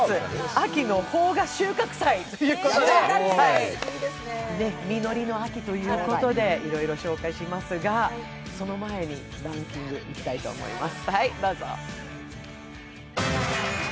秋の邦画収穫祭！ということで、実りの秋ということで、いろいろ紹介しますが、その前にランキングいきたいと思います。